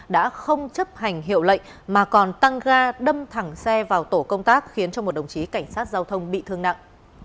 đã không chấp hành hiệu lệnh mà còn tăng ga đâm thẳng xe vào tổ công tác khiến cho một đồng chí cảnh sát giao thông bị thương nặng